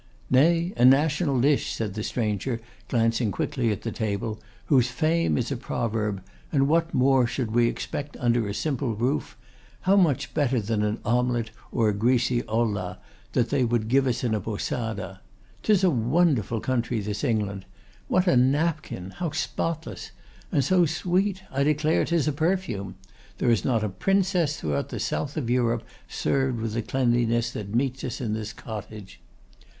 'Nay, a national dish,' said the stranger, glancing quickly at the table, 'whose fame is a proverb. And what more should we expect under a simple roof! How much better than an omelette or a greasy olla, that they would give us in a posada! 'Tis a wonderful country this England! What a napkin! How spotless! And so sweet; I declare 'tis a perfume. There is not a princess throughout the South of Europe served with the cleanliness that meets us in this cottage.